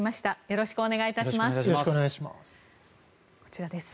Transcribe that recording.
よろしくお願いします。